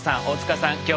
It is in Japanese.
大塚さん